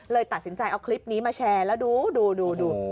ตัดสินใจเอาคลิปนี้มาแชร์แล้วดูดู